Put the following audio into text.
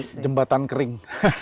ini jembatan kering